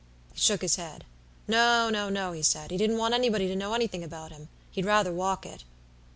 "He shook his head. No, no, no, he said, he didn't want anybody to know anything about him; he'd rather walk it.